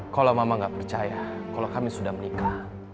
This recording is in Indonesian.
kalau mama nggak percaya kalau kami sudah menikah